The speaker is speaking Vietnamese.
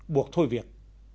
buộc thôi việc